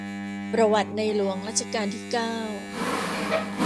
ประวัติในหลวงรัชกาลที่เก้า